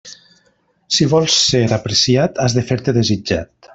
Si vols ser apreciat, has de fer-te desitjat.